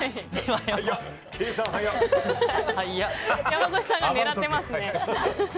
山添さんが狙ってますね。